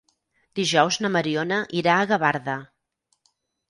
Dijous na Mariona irà a Gavarda.